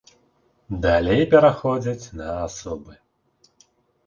Далей пераходзяць на асобы.